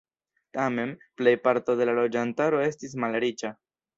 Tamen, plejparto de la loĝantaro estis malriĉa.